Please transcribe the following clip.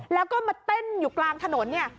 แล้วก็มาเต้นอยู่กลางถนนเนี่ย